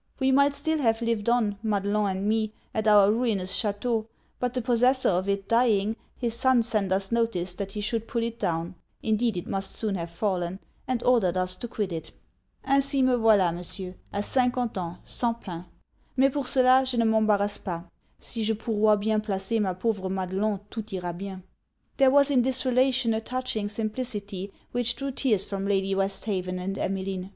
_ We might still have lived on, Madelon and me, at our ruinous chateau; but the possessor of it dying, his son sent us notice that he should pull it down (indeed it must soon have fallen) and ordered us to quit it. '_Ainsi me voila, Messieurs, a cinquante ans, sans pain. Mais pour cela je ne m'embarrasse pas; si je pourrois bien placer ma pauvre Madelon tout ira bien!_' There was in this relation a touching simplicity which drew tears from Lady Westhaven and Emmeline.